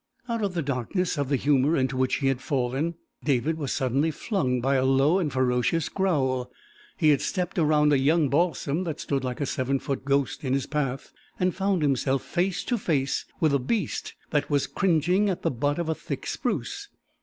Out of the darkness of the humour into which he had fallen, David was suddenly flung by a low and ferocious growl. He had stepped around a young balsam that stood like a seven foot ghost in his path, and found himself face to face with a beast that was cringing at the butt of a thick spruce.